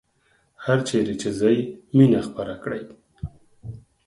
هرچیرې چې ځئ مینه خپره کړئ